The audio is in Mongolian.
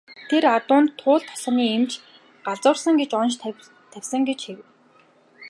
Тэр адуунд Туул тосгоны эмч "галзуурсан" гэх онош тавьсан гэж гэв.